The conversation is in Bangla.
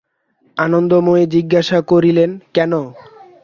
আনন্দময়ী জিজ্ঞাসা করিলেন, কেন?